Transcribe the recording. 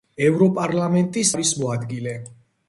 ევროპარლამენტის თავმჯდომარის მოადგილე.